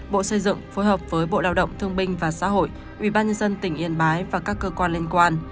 bộ xây dựng phối hợp với bộ lao động thương binh và xã hội ubnd tỉnh yên bái và các cơ quan liên quan